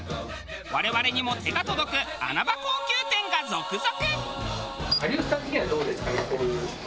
我々にも手が届く穴場高級店が続々！